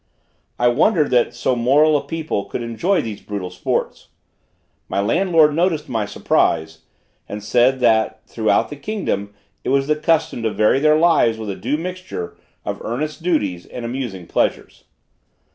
I wondered that so moral a people could enjoy these brutal sports. My landlord noticed my surprise, and said, that throughout the kingdom it was the custom to vary their lives with a due mixture of earnest duties and amusing pleasures.